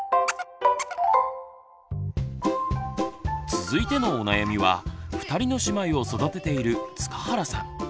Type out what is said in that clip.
続いてのお悩みは２人の姉妹を育てている塚原さん。